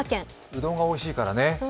うどんがおいしいからね。